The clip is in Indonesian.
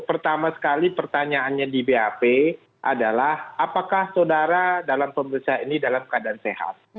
pertama sekali pertanyaannya di bap adalah apakah saudara dalam pemeriksaan ini dalam keadaan sehat